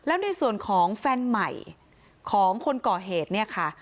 แล้วในส่วนของแฟนใหม่ของคนก่อเหตุเนี่ยค่ะ